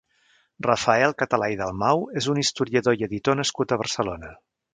Rafael Català i Dalmau és un historiador i editor nascut a Barcelona.